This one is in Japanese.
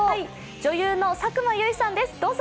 女優の佐久間由衣さんです、どうぞ！